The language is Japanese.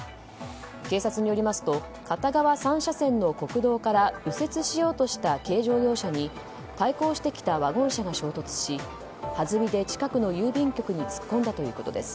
警察によりますと片側３車線の国道から右折しようとした軽乗用車に対向してきたワゴン車が衝突しはずみで近くの郵便局に突っ込んだということです。